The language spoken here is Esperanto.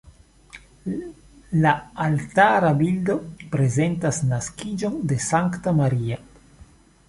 La altara bildo prezentas naskiĝon de Sankta Maria.